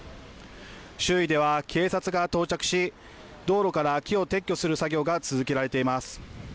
周囲では警察が到着し道路から木を撤去する作業が続けられています。